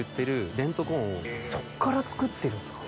そっから作ってるんですか。